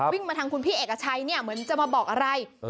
วิ่งมาทางคุณพี่เอกชัยเนี่ยเหมือนจะมาบอกอะไร